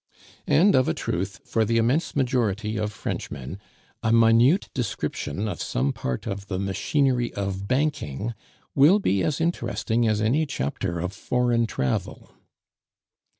And of a truth, for the immense majority of Frenchmen, a minute description of some part of the machinery of banking will be as interesting as any chapter of foreign travel.